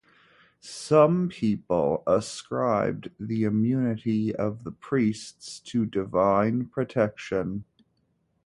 Some people ascribed the immunity of the priests to divine protection.